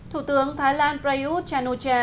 thủ tướng thái lan prayuth chan o che